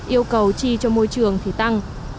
yêu cầu chi cho môi trường thì tăng